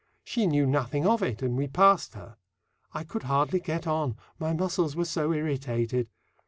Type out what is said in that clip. She knew nothing of it, and we passed her. I could hardly get on: my muscles were so irritated.